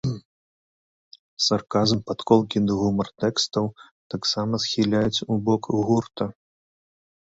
Сарказм, падколкі ды гумар тэкстаў таксама схіляюць ў бок гурта.